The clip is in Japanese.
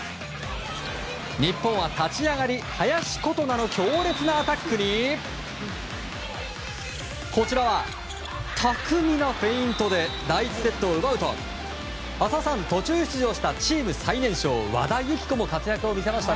日本は立ち上がり林琴奈の強烈なアタックにこちらは巧みなフェイントで第１セットを奪うと浅尾さん、途中出場したチーム最年少和田由紀子も活躍を見せました。